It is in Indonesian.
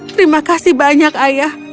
terima kasih banyak ayah